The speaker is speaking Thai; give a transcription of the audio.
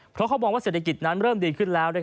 เพราะเขามองว่าเศรษฐกิจนั้นเริ่มดีขึ้นแล้ว